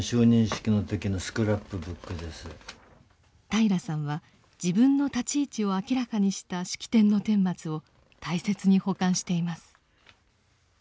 平良さんは自分の立ち位置を明らかにした式典の顛末を大切に保管しています。